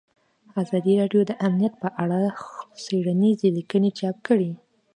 ازادي راډیو د امنیت په اړه څېړنیزې لیکنې چاپ کړي.